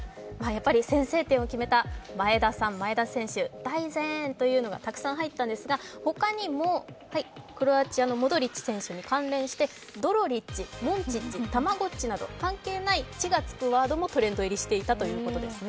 先制点を決めた前田選手、大然というのがたくさん入ったんですが他にもクロアチアのモドリッチ選手に関連してドロリッチ、モンチッチ、たまごっちなど、関係ない「ッチ」がつくワードも登場していたということです。